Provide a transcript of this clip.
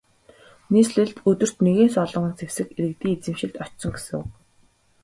Нийслэлд өдөрт нэгээс олон зэвсэг иргэдийн эзэмшилд очсон гэсэн үг.